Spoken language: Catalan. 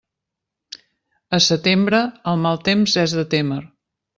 A setembre, el mal temps és de témer.